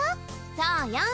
そうよん！